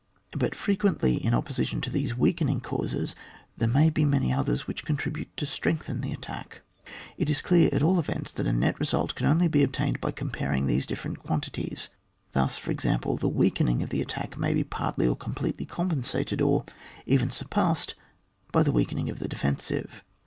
But frequently, in opposition to these weakening causes^ there may be many others which contribute to strengthen the attack. It is clear, at all events, that a net result can only be obtained by comparing these different quantities ; thus, for ex ample, the weakening of the attack may be partly or completely compensated, or even surpassed by the weakening of the defensive.